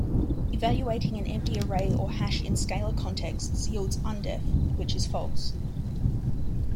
Evaluating an empty array or hash in scalar context yields undef, which is false.